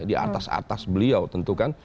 di atas atas beliau tentu kan